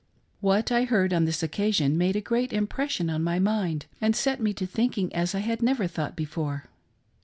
What I heard on this occasion made a great impression on my mind, and set me thinking as I had never thought before.